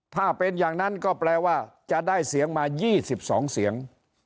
ถ้าเป็นอย่างนั้นก็แปลว่าจะได้เสียงมา๒๒เสียง